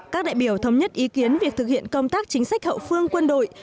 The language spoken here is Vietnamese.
các đại biểu thống nhất ý kiến việc thực hiện công tác chính sách hậu phương quân đội